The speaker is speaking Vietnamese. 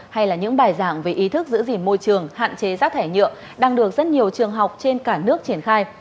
hay là những bài giảng về ý thức giữ gìn môi trường hạn chế rác thải nhựa đang được rất nhiều trường học trên cả nước triển khai